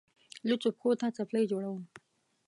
لوڅو پښو ته څپلۍ جوړوم.